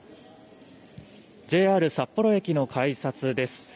ＪＲ札幌駅の改札です。